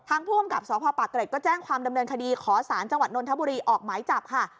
ผู้กำกับสพปะเกร็ดก็แจ้งความดำเนินคดีขอสารจังหวัดนนทบุรีออกหมายจับค่ะ